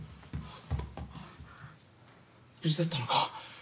無事だったのか？